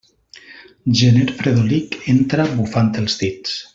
Gener fredolic entra bufant els dits.